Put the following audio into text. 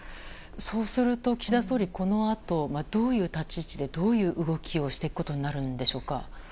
そうすると、岸田総理はこのあと、どういう立ち位置でどういう動きをしていくことになるんでしょうか？